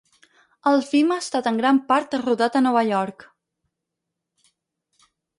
El film ha estat en gran part rodat a Nova York.